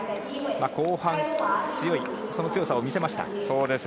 後半、強い、その強さを見せました。